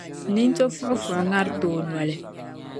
nintɔfuɣifuɣi ŋariti o noli.